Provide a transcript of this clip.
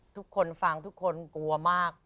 ทุกคนฟังทุกคนกลัวมาก